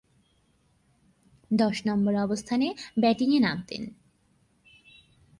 দশ নম্বর অবস্থানে ব্যাটিংয়ে নামতেন।